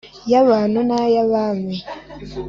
y’abantu n’ay’abami,